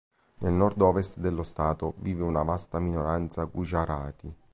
Nel nord-ovest dello Stato vive una vasta minoranza gujarati.